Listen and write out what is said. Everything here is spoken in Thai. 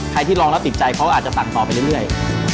ที่ลองแล้วติดใจเขาอาจจะสั่งต่อไปเรื่อย